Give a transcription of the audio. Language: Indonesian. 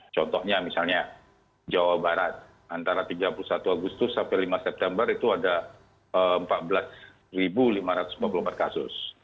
contohnya misalnya jawa barat antara tiga puluh satu agustus sampai lima september itu ada empat belas lima ratus empat puluh empat kasus